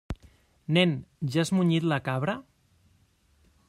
Nen, ja has munyit la cabra?